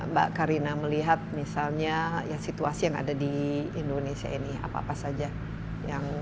mbak karina melihat misalnya situasi yang ada di indonesia ini apa apa saja yang